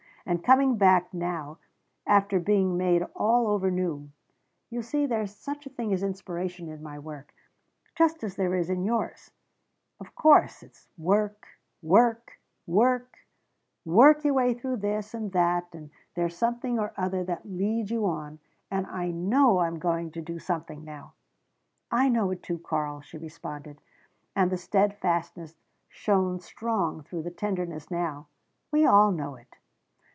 And coming back now after being made all over new you see there's such a thing as inspiration in my work, just as there is in yours. Of course it's work work work, work your way through this and that, but there's something or other that leads you on and I know I'm going to do something now!" "I know it too, Karl," she responded, and the steadfastness shone strong through the tenderness now. "We all know it."